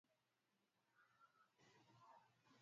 maiti inaachwa nje iliwe na tumbusi